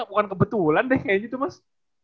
bukan kebetulan deh kayak gitu mas